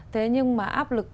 thế nhưng mà áp lực